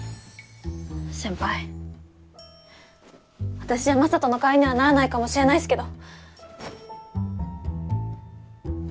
先輩私じゃ雅人の代わりにはならないかもしれないっすけど。